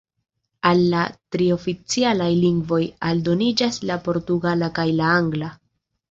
Al la tri oficialaj lingvoj aldoniĝas la portugala kaj la angla.